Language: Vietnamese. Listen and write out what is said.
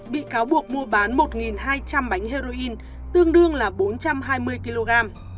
bị cáo buộc mua bán một hai trăm linh bánh heroin tương đương là bốn trăm hai mươi kg